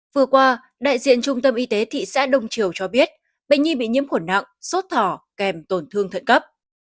vừa qua đại diện trung tâm y tế thị xã đông triều cho biết bệnh nhi bị nhiễm khuẩn nặng sốt thỏ kèm tổn thương thận cấp